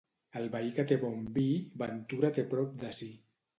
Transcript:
El veí que té bon vi, ventura té prop de si.